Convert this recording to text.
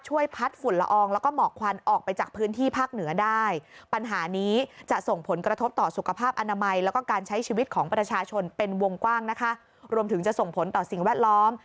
วงกว้างนะคะรวมถึงจะส่งผลต่อสิ่งแวดล้อม